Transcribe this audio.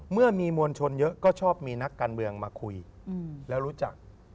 เมื่อมีมวลชนเยอะก็ชอบมีนักการเมืองมาคุยแล้วรู้จัก